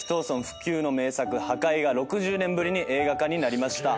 不朽の名作『破戒』が６０年ぶりに映画化になりました。